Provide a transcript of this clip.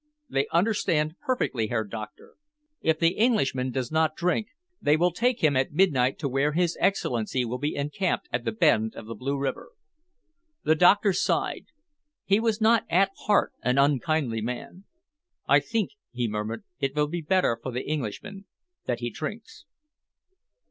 "They understand perfectly, Herr Doctor. If the Englishman does not drink, they will take him at midnight to where His Excellency will be encamped at the bend of the Blue River." The doctor sighed. He was not at heart an unkindly man. "I think," he murmured, "it will be better for the Englishman that he drinks."